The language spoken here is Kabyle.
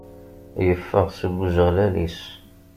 Yeffeɣ-d seg ujeɣlal-is.